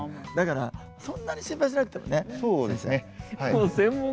だからそんなに心配しなくてもね先生。